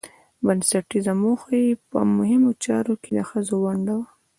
بنسټيزه موخه يې په مهمو چارو کې د ښځو ونډه وه